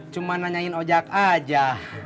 cuma nanyain ojak aja